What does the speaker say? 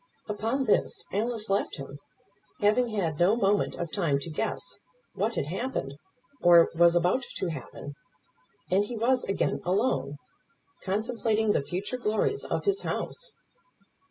Upon this Alice left him, having had no moment of time to guess what had happened, or was about to happen; and he was again alone, contemplating the future glories of his house.